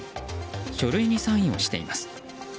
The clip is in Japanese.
書類にサインをしています。